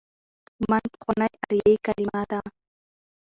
من: پخوانۍ آریايي کليمه ده.